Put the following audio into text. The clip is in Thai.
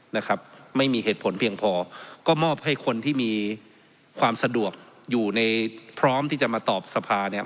นะครับไม่มีเหตุผลเพียงพอก็มอบให้คนที่มีความสะดวกอยู่ในพร้อมที่จะมาตอบสภาเนี่ย